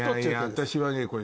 私はねこれ。